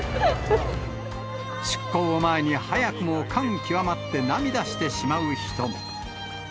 出港を前に早くも感極まって涙してしまう人も。